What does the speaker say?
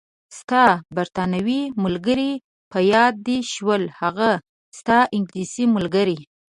ستا بریتانوي ملګرې، په یاد دې شول؟ هغه ستا انګلیسۍ ملګرې.